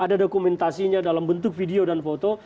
ada dokumentasinya dalam bentuk video dan foto